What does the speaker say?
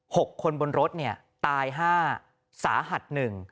หกคนบนรถเนี่ยตายห้าสาหัสหนึ่ง